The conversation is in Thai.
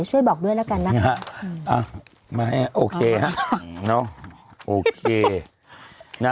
ช่วยบอกด้วยแล้วกันนะฮะอ่ะมาให้โอเคฮะเนาะโอเคน่ะ